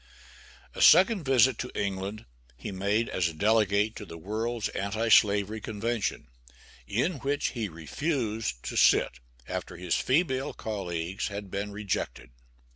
A second visit to England he made as a delegate to the World's Anti slavery Convention, in which he refused to sit after his female colleagues had been rejected.